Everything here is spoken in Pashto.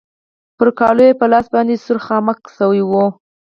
پر کالو يې په لاس باندې سور خامک شوی و.